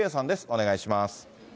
お願いします。